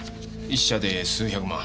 １社で数百万。